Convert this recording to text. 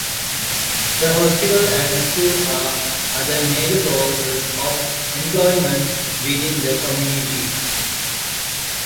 The hospital and school are other major sources of employment within the community.